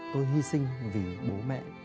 tôi hy sinh vì bố mẹ